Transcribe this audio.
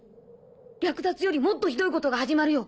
略奪よりもっとひどいことが始まるよ。